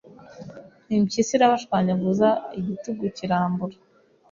Impyisi irabashwanyaguza Igitugu kirambura